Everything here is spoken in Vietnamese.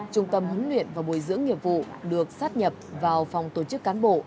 trung tâm huấn luyện và bồi dưỡng nghiệp vụ được sát nhập vào phòng tổ chức cán bộ